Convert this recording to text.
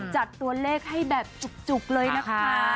จัดตัวเลขให้แบบจุกเลยนะคะ